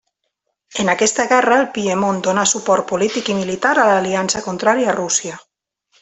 En aquesta guerra, el Piemont donà suport polític i militar a l'aliança contrària a Rússia.